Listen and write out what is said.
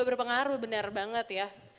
berpengaruh benar banget ya